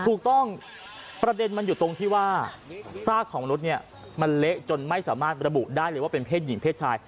ถูกต้องประเด็นมันอยู่ตรงที่ว่าซากของมนุษย์เนี่ยมันเละจนไม่สามารถระบุได้เลยว่าเป็นเพศหญิงเพศชาย